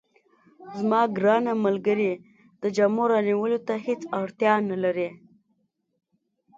زما ګرانه ملګرې، د جامو رانیولو ته هیڅ اړتیا نه لرې.